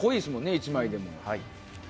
１枚でも。